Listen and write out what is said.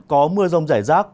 có mưa rông giải rác